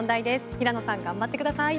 平野さん頑張ってください。